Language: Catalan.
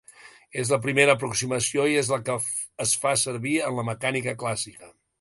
És la primera aproximació i és la que es fa servir en la mecànica clàssica.